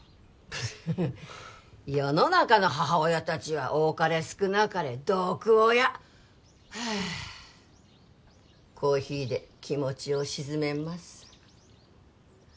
フフッ世の中の母親達は多かれ少なかれ毒親コーヒーで気持ちをしずめます